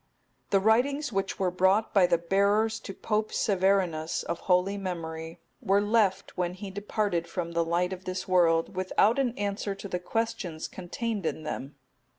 _(267) The writings which were brought by the bearers to Pope Severinus, of holy memory, were left, when he departed from the light of this world, without an answer to the questions contained in them.